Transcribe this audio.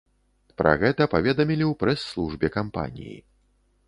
Пра гэта паведамілі ў прэс-службе кампаніі.